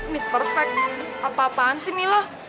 miss perfect apa apaan sih mila